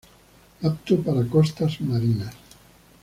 Apto para costas marinas.